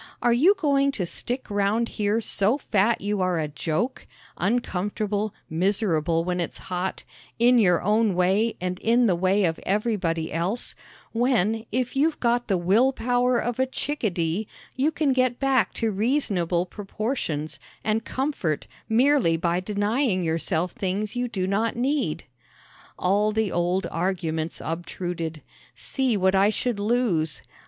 Are you going to stick round here so fat you are a joke, uncomfortable, miserable when it's hot, in your own way and in the way of everybody else, when, if you've got the will power of a chickadee, you can get back to reasonable proportions and comfort merely by denying yourself things you do not need?" All the old arguments obtruded. See what I should lose!